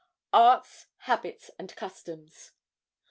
ARTS, HABITS AND CUSTOMS.